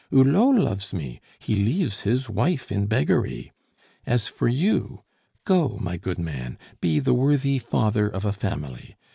Hulot loves me; he leaves his wife in beggary! As for you, go my good man, be the worthy father of a family.